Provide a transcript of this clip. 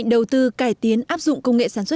đang mở sáng